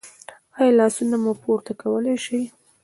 ایا لاسونه مو پورته کولی شئ؟